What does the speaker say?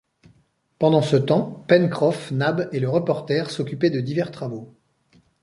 Pendant ce temps, Pencroff, Nab et le reporter s’occupaient de divers travaux.